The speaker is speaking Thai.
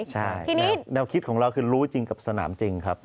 ใช่แนวคิดของเราคือรู้จริงกับสนามจริงครับ